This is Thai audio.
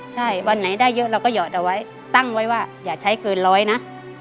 ใช่วันไหนได้เยอะเราก็หยอดเอาไว้ตั้งไว้ว่าอย่าใช้เกินร้อยนะ